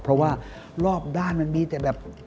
เพราะว่ารอบด้านมันมีแต่แบบ